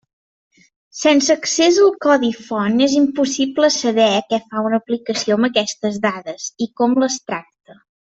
Sense accés al codi font és impossible saber què fa una aplicació amb aquestes dades, i com les tracta.